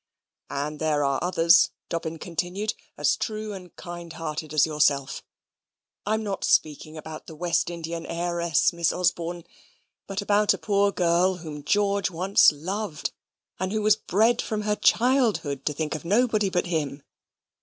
"And there are others," Dobbin continued, "as true and as kind hearted as yourself. I'm not speaking about the West Indian heiress, Miss Osborne, but about a poor girl whom George once loved, and who was bred from her childhood to think of nobody but him.